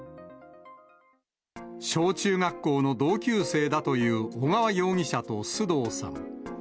小中学校の同級生だという小川容疑者と須藤さん。